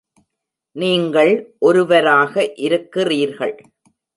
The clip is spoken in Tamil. நீங்கள் ஒருவராக இருக்கிறீர்கள்.